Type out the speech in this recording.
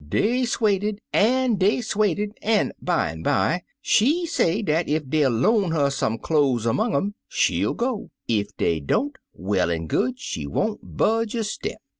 Dey 'swaded, an' dey 'swaded, an' bimeby she say dat ef dey 11 loan her some cloze among um, she '11 gp ; ef dey don't, well an' good — she won't budge a step.